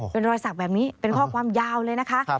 เป็นรอยสักแบบนี้เป็นข้อความยาวเลยนะคะ